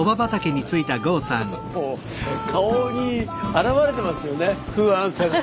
顔に表れてますよね不安さが。